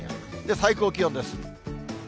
最高気温です。